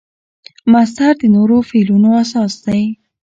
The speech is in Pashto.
مصدر د نورو فعلونو اساس دئ.